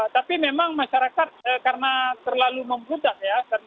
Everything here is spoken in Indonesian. tapi memang masyarakat karena terlalu membutak